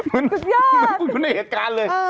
มันอยู่ในเหตุการณ์เลย